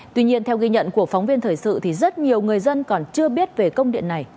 tuy nhiên theo ghi nhận của phóng viên thời sự thì rất nhiều người dân còn chưa biết về công điện này